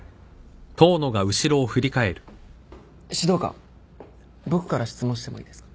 指導官僕から質問してもいいですか？